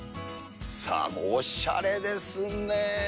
さあ、もう、おしゃれですね。